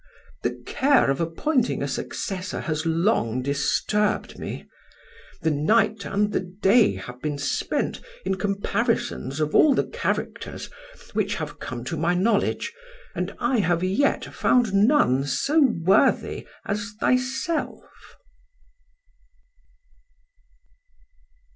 The care of appointing a successor has long disturbed me; the night and the day have been spent in comparisons of all the characters which have come to my knowledge, and I have yet found none so worthy as thyself.